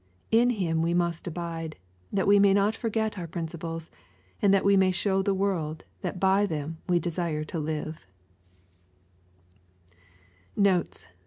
In Him we must abide, that we may not forget our principles, and that we may show the world that by them we desire to liva Notes.